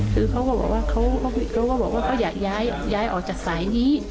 คือเขาก็บอกว่าเขาอยากย้ายออกจากสายนี้